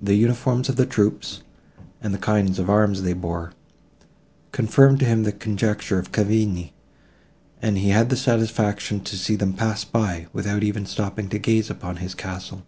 The uniforms of the troops, and the kind of arms they bore, confirmed to him the conjecture of Cavigni, and he had the satisfaction to see them pass by, without even stopping to gaze upon his castle.